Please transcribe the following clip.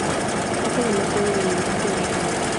Es además sede del municipio homónimo.